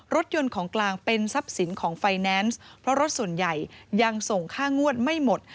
รถยนต์ของกลางเป็นทรัพย์สินของไฟแนนซ์เพราะรถส่วนใหญ่ยังส่งค่างวดไม่หมด